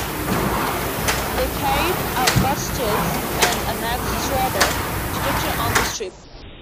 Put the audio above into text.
They carried a Bachstelze and a Naxos radar detector on this trip.